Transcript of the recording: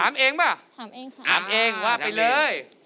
ถามเองค่ะถามเองว่าไปเลย